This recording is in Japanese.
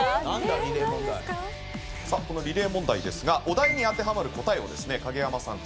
さあこのリレー問題ですがお題に当てはまる答えをですね影山さん